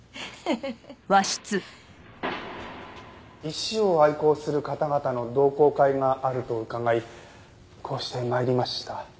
石を愛好する方々の同好会があると伺いこうして参りました。